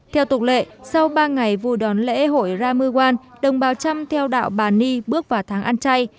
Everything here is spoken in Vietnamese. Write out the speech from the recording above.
theo tục lệ sau ba ngày vui đón lễ hội ramuwan đồng bào trăm theo đạo bà ni bước vào tháng ăn chay